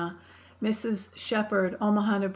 Mrs. Shephard, Omaha, Neb.